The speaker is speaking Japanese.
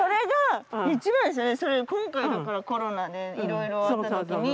今回だからコロナでいろいろあった時に。